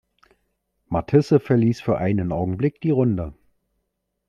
Matisse verließ für einen Augenblick die Runde.